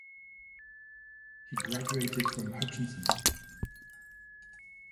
He graduated from Hutchinson.